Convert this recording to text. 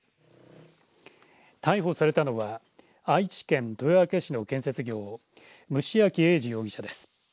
逮捕されたのは愛知県豊明市の建設業虫明英二容疑者です。